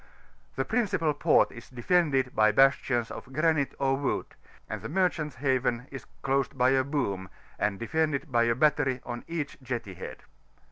The principal port is defended bv bastions of granite or wood, and the merdianta* haven is closed by a boom, and demnded by a battery on each jetty head.